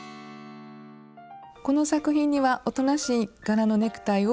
この作品にはおとなしい柄のネクタイを使用しています。